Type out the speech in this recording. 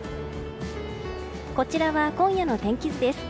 こちらは今夜の天気図です。